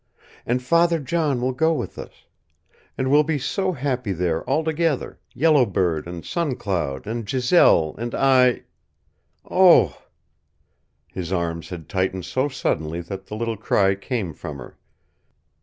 And Father John will go with us. And we'll be so happy there all together, Yellow Bird and Sun Cloud and Giselle and I oh!" His arms had tightened so suddenly that the little cry came from her.